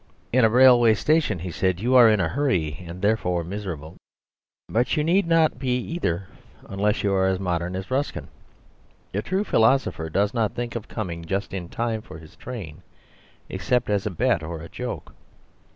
"In a railway station," he said, "you are in a hurry, and therefore, miserable"; but you need not be either unless you are as modern as Ruskin. The true philosopher does not think of coming just in time for his train except as a bet or a joke.